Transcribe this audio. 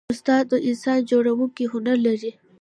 استاد د انسان جوړونې هنر لري.